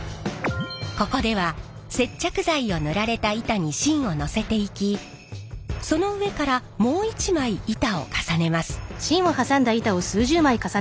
ここでは接着剤を塗られた板に芯をのせていきその上からもう一枚板を重ねます。